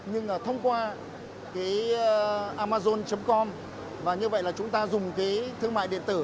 nhưng là thông qua cái amazon com và như vậy là chúng ta dùng cái thương mại điện tử